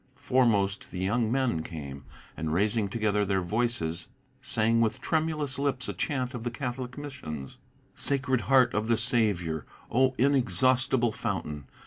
Foremost the young men came; and, raising together their voices, Sang with tremulous lips a chant of the Catholic Missions: "Sacred heart of the Saviour! O inexhaustible fountain!